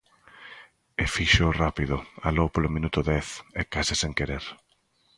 E fíxoo rápido, aló polo minuto dez, e case sen querer.